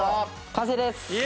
完成です。